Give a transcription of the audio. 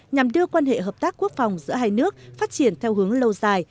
nhằm đưa quan hệ hợp tác quốc phòng giữa hai nước phát triển theo hướng lâu dài